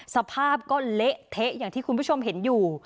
สภาพก็เละเทะอย่างที่คุณผู้ชมเห็นอยู่